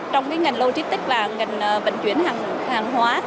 trong ngành logistics và ngành bệnh chuyển hàng hóa